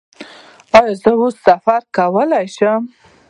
ایا زه اوس سفر کولی شم؟